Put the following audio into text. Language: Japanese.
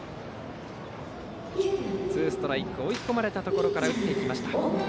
ツーストライクと追い込まれたところから打っていった。